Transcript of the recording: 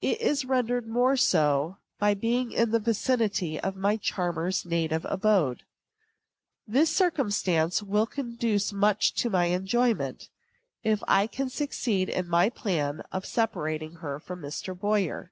It is rendered more so by being in the vicinity of my charmer's native abode. This circumstance will conduce much to my enjoyment, if I can succeed in my plan of separating her from Mr. Boyer.